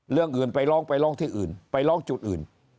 เรื่องอื่นไปร้องไปร้องที่อื่นไปร้องจุดอื่น